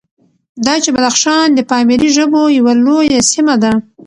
دا چې بدخشان د پامیري ژبو یوه لویه سیمه ده،